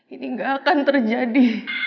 ini gak akan terjadi